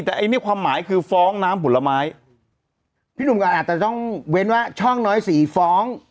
แต่ไอ้นี่ความหมายคือฟ้องน้ำผลไม้พี่หนุ่มก็อาจจะต้องเว้นว่าช่องน้อยสี่ฟ้อง